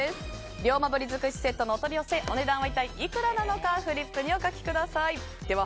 龍馬鰤尽くしセットのお取り寄せお値段は一体いくらなのかフリップにお書きください。